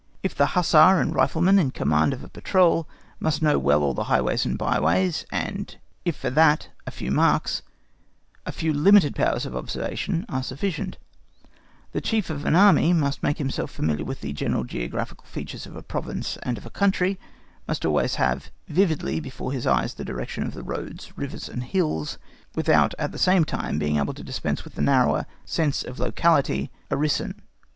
If the hussar and rifleman in command of a patrol must know well all the highways and byways, and if for that a few marks, a few limited powers of observation, are sufficient, the Chief of an Army must make himself familiar with the general geographical features of a province and of a country; must always have vividly before his eyes the direction of the roads, rivers, and hills, without at the same time being able to dispense with the narrower "sense of locality" (Ortsinn).